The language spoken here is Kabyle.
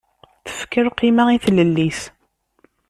Tefka lqima i tlelli-is.